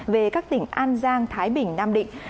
về các tỉnh an giang thái bình nam định